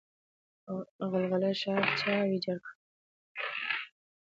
غلغله ښار چا ویجاړ کړ؟